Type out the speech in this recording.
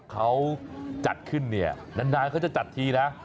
เขาจัดขึ้นน่านก็จะจัดทีนะ